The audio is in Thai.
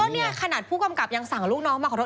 แล้วเนี่ยขนาดผู้กำกับยังสั่งลูกน้องมาขอโทษ